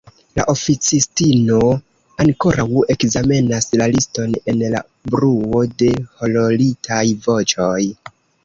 La oficistino ankoraŭ ekzamenas la liston en la bruo de hororitaj voĉoj.